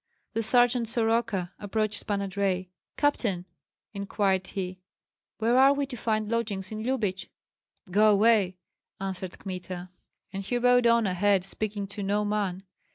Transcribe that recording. The sergeant Soroka approached Pan Andrei. "Captain," inquired he, "where are we to find lodgings in Lyubich?" "Go away!" answered Kmita. And he rode on ahead, speaking to no man.